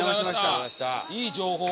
いい情報を。